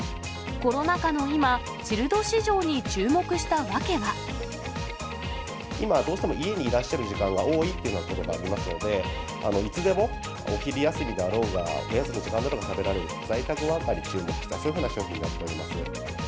コロナ禍の今、チルド市場に今、どうしても家にいらっしゃる時間が多いというようなことがありますので、いつでも、お昼休みであろうが、おやつの時間だろうが食べられる、在宅ワーカーに注目した、そういうふうな商品になっております。